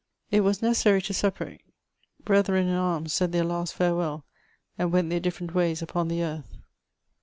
'^ It was necessaiy to separate. Brethren in arms said their last farewell, and went their different ways upon the earth.